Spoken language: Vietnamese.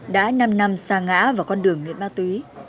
đã năm năm xa ngã vào con đường nghiện ma túy